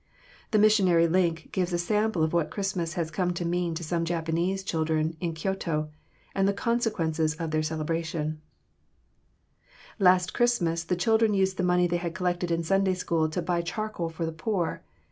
The Missionary Link gives a sample of what Christmas has come to mean to some Japanese children in Kyoto, and the consequences of their celebration: "Last Christmas the children used the money they had collected in Sunday School to buy charcoal for the poor.